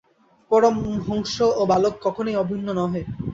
পরমহংস ও বালক কখনই অভিন্ন নহে।